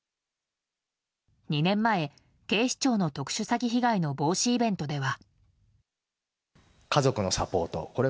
２年前、警視庁の特殊詐欺被害の防止イベントでは。